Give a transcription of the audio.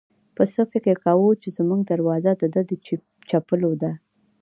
پسه فکر کاوه چې زموږ دروازه د ده د چپلو ده.